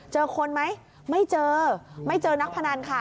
เจอคนไหมไม่เจอไม่เจอนักพนันค่ะ